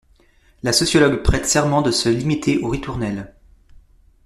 La sociologue prête serment de se limiter aux ritournelles.